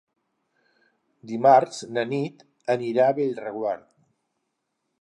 Dimarts na Nit anirà a Bellreguard.